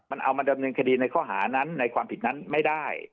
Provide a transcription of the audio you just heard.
มันเอามาดำเนินคดีในข้อหานั้นในความผิดนั้นไม่ได้